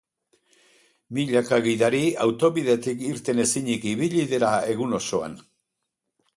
Milaka gidari autobidetik irten ezinik ibili dira egun osoan.